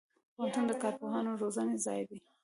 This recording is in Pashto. پوهنتون د کارپوهانو د روزنې ځای دی.